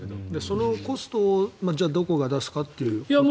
そのコストをどこが出すかというのは。